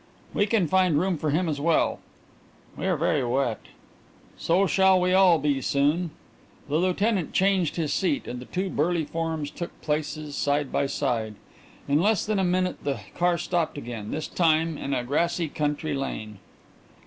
"We can find room for him as well." "We are very wet." "So shall we all be soon." The lieutenant changed his seat and the two burly forms took places side by side. In less than five minutes the car stopped again, this time in a grassy country lane.